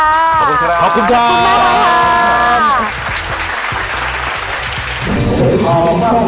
ขอบคุณครับขอบคุณครับขอบคุณมากมากค่ะ